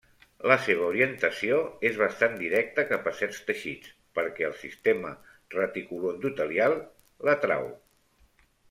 La seva orientació és bastant directa cap a certs teixits perquè el sistema reticuloendotelial l’atrau.